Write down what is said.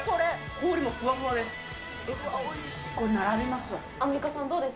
氷もふわふわです。